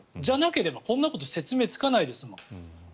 じゃなければ、こんなこと説明つかないですもん。